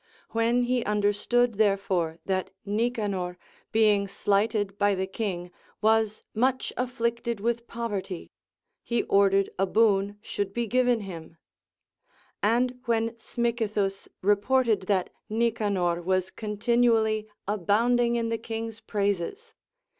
\Vhen he AND GREAT COMMANDEES. 195 understood therefore that Nicanor, being slighted by the king, was much afflicted with poverty, he ordered a boon should be given him. And when Smicythus reported that Nicanor was continually abounding in the king's praises.